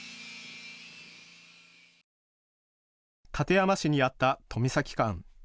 館山市にあった富崎館。